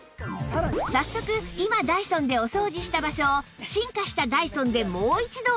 早速今ダイソンでお掃除した場所を進化したダイソンでもう一度お掃除！